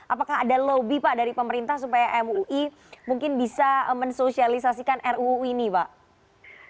apakah ada lobby pak dari pemerintah supaya mui mungkin bisa mensosialisasikan ruu ini pak